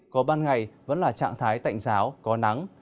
còn ban ngày vẫn là trạng thái tạnh giáo có nắng